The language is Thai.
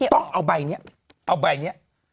ต้องเอาใบนี้เอาใบนี้